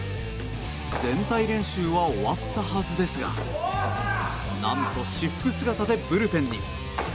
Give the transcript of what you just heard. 全体練習は終わったはずですが何と、私服姿でブルペンに。